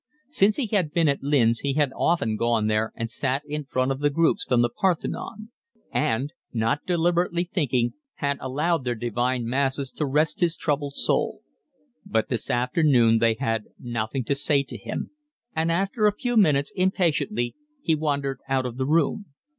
Since he had been at Lynn's he had often gone there and sat in front of the groups from the Parthenon; and, not deliberately thinking, had allowed their divine masses to rest his troubled soul. But this afternoon they had nothing to say to him, and after a few minutes, impatiently, he wandered out of the room.